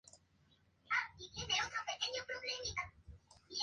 Hipócrates escribió, en sus epidemias, Cap.